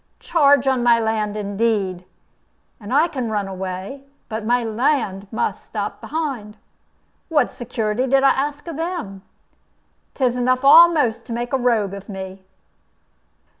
Charge on my land, indeed! And I can run away, but my land must stop behind! What security did I ask of them? 'Tis enough a'most to make a rogue of me."